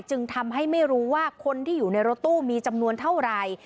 จึงทำให้ไม่รู้ว่าคนที่อยู่ในรถตู้มีจำนวนเท่าไหร่